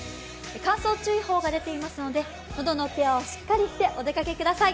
乾燥注意報が出ていますので喉のケアをしっかりしてお出かけください。